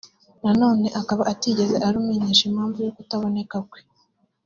na none akaba atigeze arumenyesha impamvu yo kutaboneka kwe